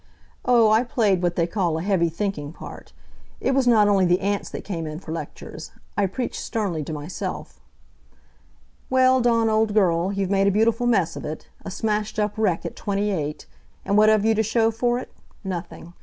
Oh, I played what they call a heavy thinking part. It was not only the ants that came in for lectures. I preached sternly to myself. "Well, Dawn old girl, you've made a beautiful mess of it. A smashed up wreck at twenty eight! And what have you to show for it? Nothing!